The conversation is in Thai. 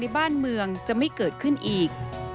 บ้านเมืองจะไม่เกิดขึ้นอีก